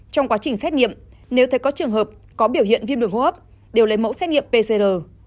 trong quá trình xét nghiệm nếu thấy có trường hợp có biểu hiện viêm đường hô hấp đều lấy mẫu xét nghiệm pcr